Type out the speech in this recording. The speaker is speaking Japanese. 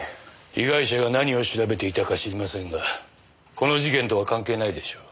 被害者が何を調べていたか知りませんがこの事件とは関係ないでしょう。